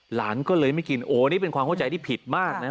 หลานก็เลยไม่กินโอ้นี่เป็นความเข้าใจที่ผิดมากนะ